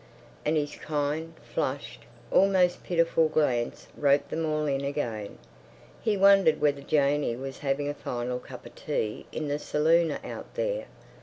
And his kind, flushed, almost pitiful glance roped them all in again. He wondered whether Janey was having a final cup of tea in the saloon out there.